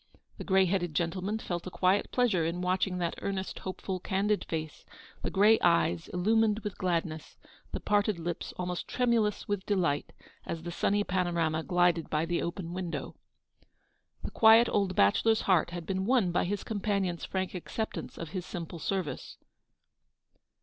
The grey headed gentleman felt a quiet pleasure in watching that earnest, hopeful, candid face ; the grey eyes, illumined with gladness ; the parted lips, almost tremulous with delight, as the sunny panorama glided by the open window. The quiet old bachelor's heart had been won by his companion's frank acceptance of his simple service.